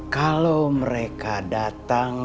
kalau mereka datang